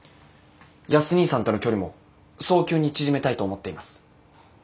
康にぃさんとの距離も早急に縮めたいと思っています。